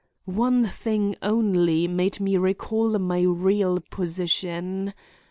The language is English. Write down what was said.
One thing only made me recall my real position.